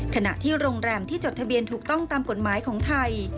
ขณะที่โรงแรมที่จดทะเบียนถูกต้องตามกฎหมายของไทย